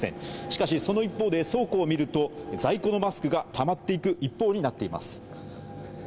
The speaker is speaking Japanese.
しかし、その一方で倉庫を見ると、在庫のマスクがたまっていく一方になっています。